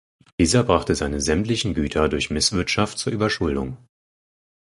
Dieser brachte seine sämtlichen Güter durch Misswirtschaft zur Überschuldung.